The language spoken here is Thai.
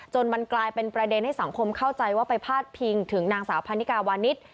มันกลายเป็นประเด็นให้สังคมเข้าใจว่าไปพาดพิงถึงนางสาวพันนิกาวานิส